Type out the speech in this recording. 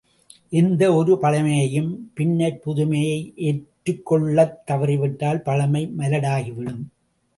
எந்த ஒரு பழைமையும் பின்னைப் புதுமையை ஏற்றுக் கொள்ளத் தவறிவிட்டால் பழைமை மலடாகிவிடும்.